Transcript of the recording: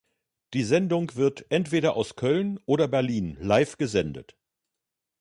Die Sendung wird entweder aus Köln oder Berlin live gesendet.